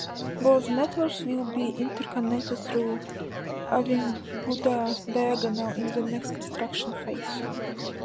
Both networks will be interconnected through Avinguda Diagonal in the next construction phase.